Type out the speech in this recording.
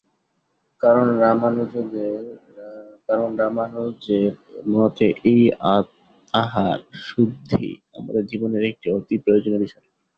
কারণ রামানুজের মতে এই আহারশুদ্ধি আমাদের জীবনের একটি অতি প্রয়োজনীয় বিষয়।